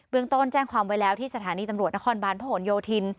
เบื้องต้นแจ้งความไว้แล้วที่สถานีตำรวจนครบ้านพโยธิน